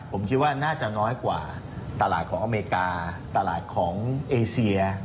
ผมคิดว่าน่าจะน้อยกว่าตลาดของอเมริกาตลาดของเอเซีย